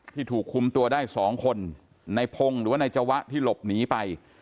ถูกคุมตัวได้๒คนในพงศ์หรือว่านายจวะที่หลบหนีไป